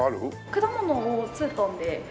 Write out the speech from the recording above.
果物をツートンで。